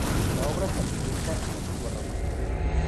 La obra se ambienta en la Antigua Roma.